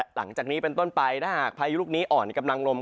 หลังจากนี้เป็นต้นไปถ้าหากพายุลูกนี้อ่อนกำลังลง